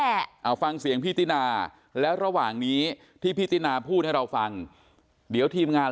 เอาฟังเสียงพี่ตินาแล้วระหว่างนี้ที่พี่ตินาพูดให้เราฟังเดี๋ยวทีมงาน